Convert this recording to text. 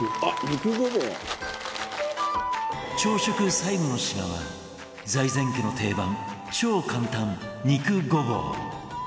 朝食最後の品は財前家の定番、超簡単肉ごぼう。